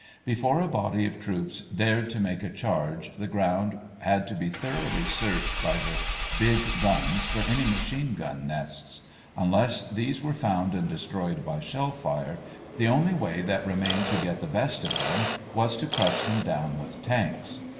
Before a body of troops dared to make a charge, the ground had to be thoroughly searched by the big guns for any machine gun nests. Unless these were found and destroyed by shell fire, the only way that remained to get the best of them was to crush them down with tanks.